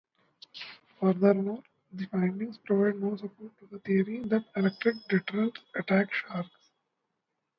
Furthermore, the findings provide no support to the theory that electric deterrents attract sharks.